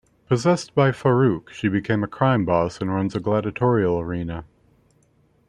Possessed by Farouk, she becomes a crime boss and runs a gladiatorial arena.